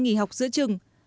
nghỉ học giữa trường